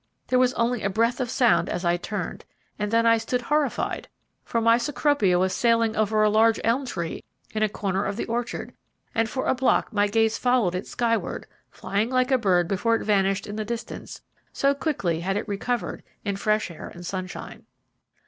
There was only a breath of sound as I turned, and then I stood horrified, for my Cecropia was sailing over a large elm tree in a corner of the orchard, and for a block my gaze followed it skyward, flying like a bird before it vanished in the distance, so quickly had it recovered in fresh air and sunshine.